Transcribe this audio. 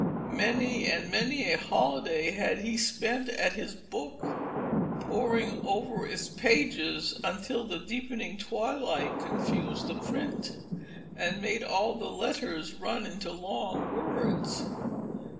Many and many a holiday had he spent at his book, poring over its pages until the deepening twilight confused the print, and made all the letters run into long words.